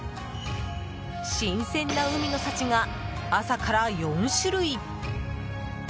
新鮮な海の幸が朝から４種類。